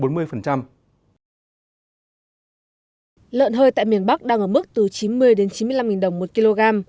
lợn hơi tại miền bắc đang ở mức từ chín mươi đến chín mươi năm đồng một kg